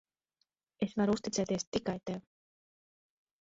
Es varu uzticēties tikai tev.